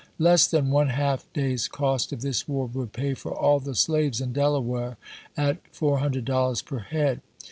Less than one half day's cost of this war would pay for all the slaves in Delaware, at $400 per head.